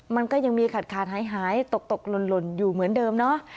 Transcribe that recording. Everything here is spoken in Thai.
มันก็ยังมีขาดขาดหายหายตกตกหล่นหล่นอยู่เหมือนเดิมเนอะ